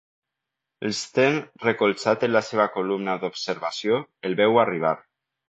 L'Sten, recolzat en la seva columna d'observació, el veu arribar.